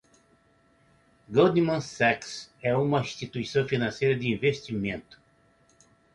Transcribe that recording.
Goldman Sachs é uma instituição financeira de investimento.